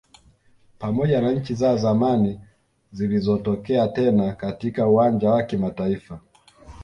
Pamoja na nchi za zamani zilizotokea tena katika uwanja wa kimataifa